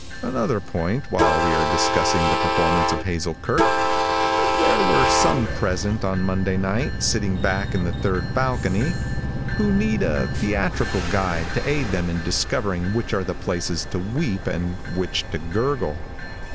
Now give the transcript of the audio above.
Another point while we are discussing the performance of Hazel Kirke. There were some present on Monday night, sitting hack in the third balcony, who need a theatrical guide to aid them in discovering which are the places to weep and which to gurgle.